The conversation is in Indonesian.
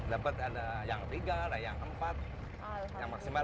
dapat ada yang tiga ada yang empat maksimal empat